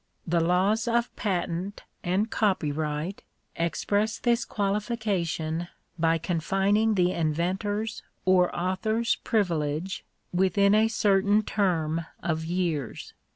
The laws of patent and copyright, express this qualification by confining the inventor's or author's privilege witjrin a certain term of years.